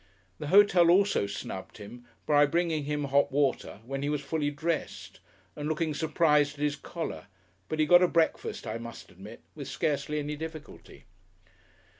The hotel also snubbed him by bringing him hot water when he was fully dressed and looking surprised at his collar, but he got a breakfast, I must admit, with scarcely any difficulty.